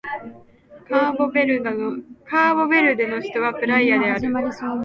カーボベルデの首都はプライアである